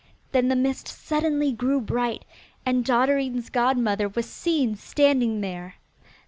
Then the mist suddenly grew bright, and Dotterine's godmother was seen standing there.